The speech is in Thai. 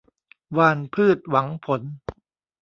หว่านพืชหวังผล